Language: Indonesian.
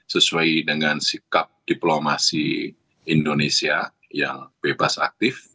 sesuai dengan sikap diplomasi indonesia yang bebas aktif